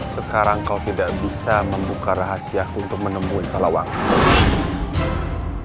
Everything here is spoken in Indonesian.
sekarang kau tidak bisa membuka rahasiaku untuk menemui palawang